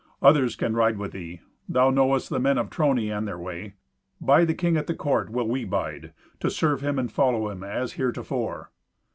Others can ride with thee. Thou knowest the men of Trony and their way. By the king at the court will we bide, to serve him and follow him as heretofore."